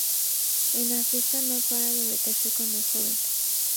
En la fiesta no para de meterse con el joven.